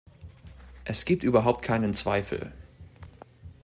Es gibt überhaupt keinen Zweifel.